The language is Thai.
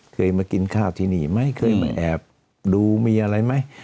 เคยมากินข้าวที่นี่ไม่เคยมาแอบดูมีอะไรไหม